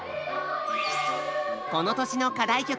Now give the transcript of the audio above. この年の課題曲